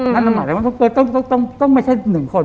นั่นมันหมายถึงว่าต้องไม่ใช่๑คน